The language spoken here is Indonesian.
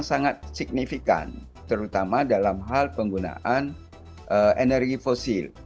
sangat signifikan terutama dalam hal penggunaan energi fosil